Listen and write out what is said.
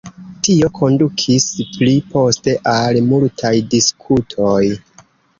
Tio kondukis pli poste al multaj diskutoj.